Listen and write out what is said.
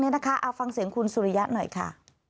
เอาฟังเสียงคุณสุริยะหน่อยค่ะ